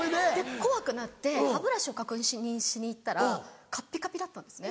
怖くなって歯ブラシを確認しに行ったらカッピカピだったんですね。